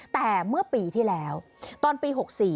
แต่เมื่อปีที่แล้วตอนปี๖๔